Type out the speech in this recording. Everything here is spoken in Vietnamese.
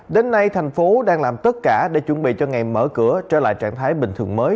đến nay thành phố đang làm tất cả để chuẩn bị cho ngày mở cửa trở lại trạng thái bình thường mới